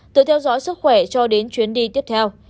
từ theo dõi sức khỏe cho đến chuyến đi tiếp theo